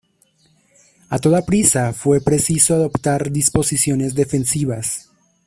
A toda prisa fue preciso adoptar disposiciones defensivas.